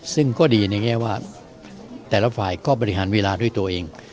ซึ่งก็ดีในแง่ว่าแต่ละฝ่ายก็บริหารเวลาด้วยตัวเอง